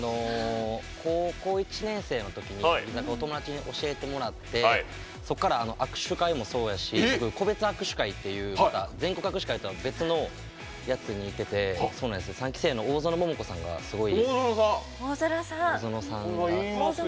高校１年生のときにお友達に教えてもらってそこから握手会もそうやし個別握手会っていう全国握手会とは別のに行ってて３期生の大園桃子さんがすごい。